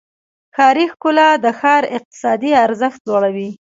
ښاري ښکلا د ښار اقتصادي ارزښت لوړوي.